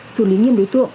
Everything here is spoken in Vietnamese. xử lý nghiêm đối tượng